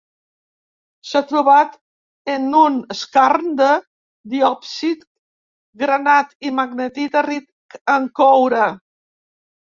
S'ha trobat en un skarn de diòpsid, granat i magnetita ric en coure.